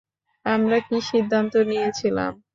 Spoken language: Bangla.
আমরা কী সিদ্ধান্ত নিয়েছিলাম?